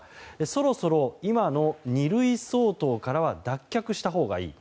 そろそろ今の二類相当からは脱却したほうがいい。